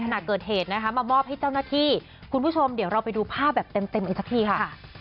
ขณะเกิดเหตุนะคะมามอบให้เจ้าหน้าที่คุณผู้ชมเดี๋ยวเราไปดูภาพแบบเต็มอีกสักทีค่ะ